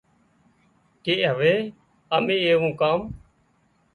ڪي هوي امين ايوون ڪام